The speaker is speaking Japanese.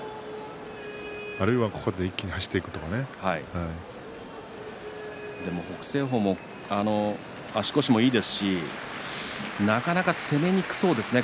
あるいは、ここで一気に北青鵬も足腰もいいですしなかなか攻めにくそうですね